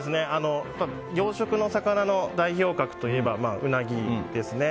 養殖の魚の代表格といえばウナギですね。